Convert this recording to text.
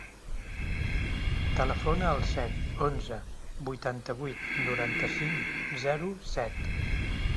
Telefona al set, onze, vuitanta-vuit, noranta-cinc, zero, set.